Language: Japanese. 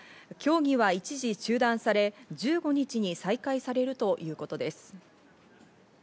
競技は一時中断され、１５日に再開されるということです。